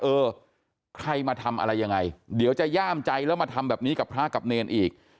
เออใครมาทำอะไรยังไงเดี๋ยวจะย่ามใจแล้วมาทำแบบนี้กับพระกับเนรอีก